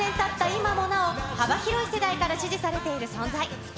今もなお、幅広い世代から支持されている存在。